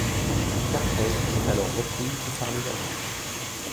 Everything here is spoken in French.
Kharkov est alors reprise par les Allemands.